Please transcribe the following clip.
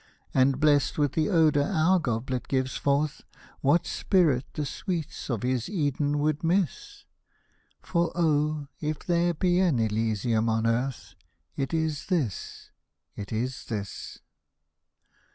And, blessed with the odour our goblet gives forth. What Spirit the sweets of his Eden would miss ? For, oh ! if there be an Elysium on earth, It is this, it is this.